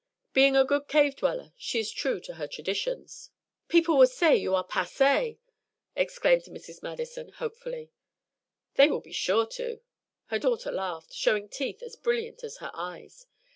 Being a good cave dweller, she is true to her traditions." "People will say you are passee," exclaimed Mrs. Madison, hopefully. "They will be sure to." Her daughter laughed, showing teeth as brilliant as her eyes.